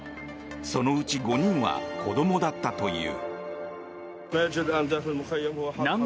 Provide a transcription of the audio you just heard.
そのうち５人は子供だったという。